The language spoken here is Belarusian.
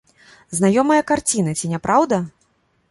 Знаёмая карціна, ці не праўда?